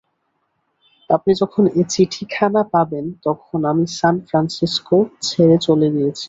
আপনি যখন এ চিঠিখানা পাবেন, তখন আমি সান ফ্রান্সিস্কো ছেড়ে চলে গিয়েছি।